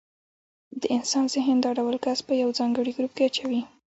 د انسان ذهن دا ډول کس په یو ځانګړي ګروپ کې اچوي.